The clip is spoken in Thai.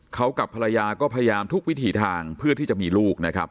เขากับภรรยาก็พยายามทุกวิถีทางเพื่อที่จะมีลูกนะครับ